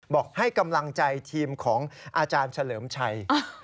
บอกให้กำลังใจทีมของอาจารย์เฉลิมชัย